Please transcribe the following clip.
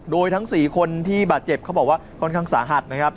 โดยทั้ง๔คนที่บาดเจ็บเขาบอกว่าค่อนข้างสาหัสนะครับ